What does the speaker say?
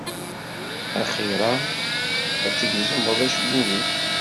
Axiṛ-am ad tgezmeḍ acebbub-im.